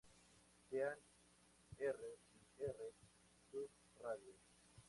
Sean "R" y "R’" sus radios.